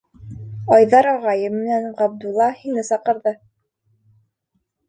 Айҙар ағайым менән Ғабдулла һине саҡырҙы.